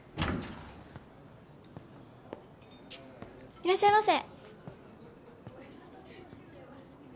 いらっしゃいませ。